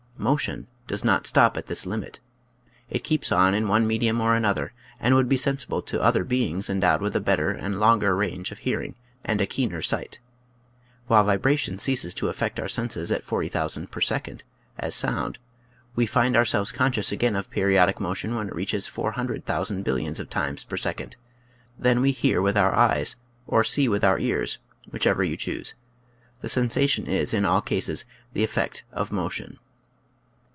Motion does not stop at this limit. It keeps on in one medium or another and would be sensible to other beings endowed with a better and longer range of hearing and a keener sight. While vibration ceases to affect our senses at 40,000 per second, as sound, we find ourselves conscious again of periodic motion when it reaches 400,000 billions of times per second; then we hear with our eyes or see with o r ears, whichever you choose. The sensation is, in all cases, the effect of mo tion.